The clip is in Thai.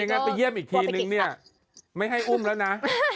งั้นไปเยี่ยมอีกทีให้ให้อุ้มแล้วนะ